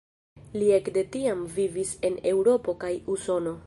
Li ekde tiam vivis en Eŭropo kaj Usono.